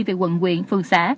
từ quận quyền phường xã